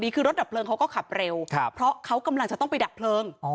คือรถดับเพลิงเขาก็ขับเร็วเพราะเขากำลังจะต้องไปดับเพลิง